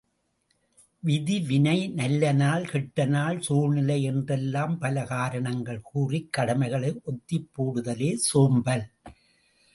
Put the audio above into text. விதி, வினை, நல்லநாள், கெட்டநாள், சூழ்நிலை என்றெல்லாம் பல காரணங்கள் கூறிக் கடமைகளை ஒத்திப் போடுதலே சோம்பல்!